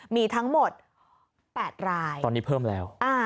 มีทั้งหมด๘รายตอนนี้เพิ่มแล้ว